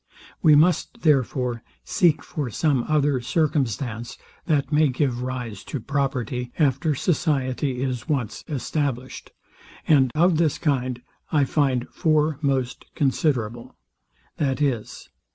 We must, therefore, seek for some other circumstance, that may give rise to property after society is once established; and of this kind, I find four most considerable, viz.